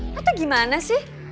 lo tuh gimana sih